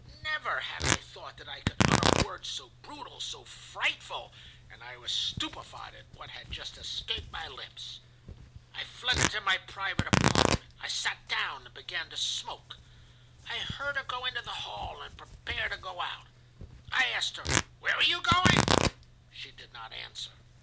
Never had I thought that I could utter words so brutal, so frightful, and I was stupefied at what had just escaped my lips. I fled into my private apartment. I sat down and began to smoke. I heard her go into the hall and prepare to go out. I asked her: 'Where are you going? She did not answer.